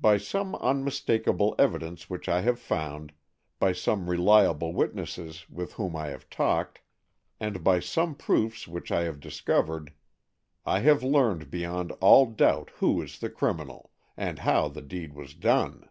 By some unmistakable evidence which I have found, by some reliable witnesses with whom I have talked, and by some proofs which I have discovered, I have learned beyond all doubt who is the criminal, and how the deed was done.